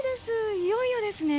いよいよですね。